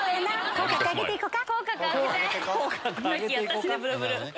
「口角上げていこか」。